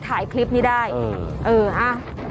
จัดกระบวนพร้อมกัน